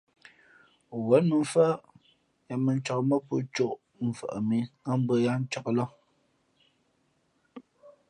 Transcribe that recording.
Wěn mᾱmfάʼ yāā mᾱ ncāk mά pō cōʼ mfαʼ mǐ nά mbʉ̄ᾱ yáá ncāk lά.